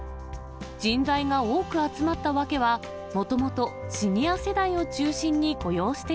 人材が多く集まった訳は、もともと、シニア世代を中心に雇用して